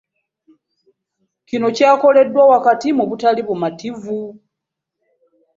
Kino Kyakoleddwa wakati mu butali bumativu